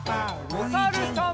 おさるさん。